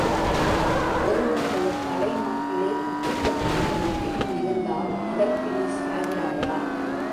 ஒருவனுடைய தலைமாட்டிலே குத்துக்கத்தியும் ரொட்டியும் இருந்தால், அதற்கு நீ சாகிறாயா?